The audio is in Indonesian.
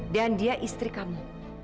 dan dia istri kamu